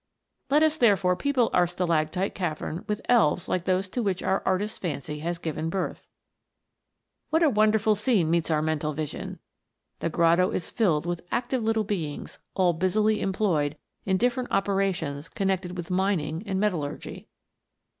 Let us therefore people our stalactite cavern with elves like those to which our artist's fancy has given birth. What a wonderful scene meets our mental vision ! THE GNOMES. 263 The grotto is filled with active little beings, all busily employed in different operations connected with mining and metallurgy.